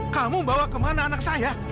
kamu bawa kemana anak saya